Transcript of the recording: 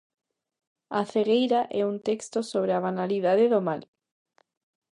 A cegueira é un texto sobre a banalidade do mal.